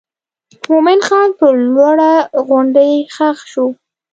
مومن خان پر لوړه غونډۍ ښخ شو.